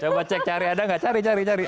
coba cek cari ada nggak cari cari